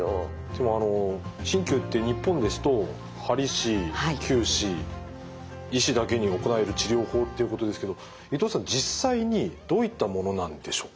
でも鍼灸って日本ですと鍼師灸師医師だけに行える治療法っていうことですけど伊藤さん実際にどういったものなんでしょうか？